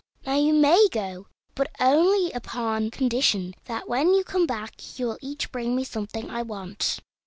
Now you may go, but only upon condition that when you come back you will each bring me something I want.